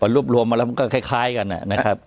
รวบรวมมาแล้วมันก็คล้ายกันนะครับ